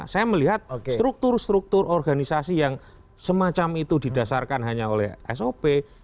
saya melihat struktur struktur organisasi yang semacam itu didasarkan hanya oleh sop